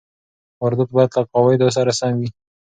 واردات باید له قواعدو سره سم وي.